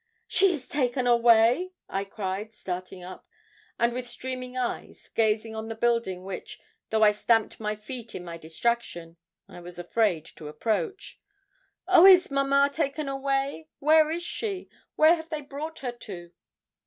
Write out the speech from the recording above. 'She is taken away!' I cried, starting up, and with streaming eyes, gazing on the building which, though I stamped my feet in my distraction, I was afraid to approach. 'Oh, is mamma taken away? Where is she? Where have they brought her to?'